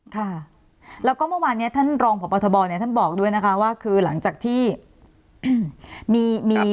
ค่ะแล้วก็เมื่อวานนี้ท่านรองพบทบเนี่ยท่านบอกด้วยนะคะว่าคือหลังจากที่มีมี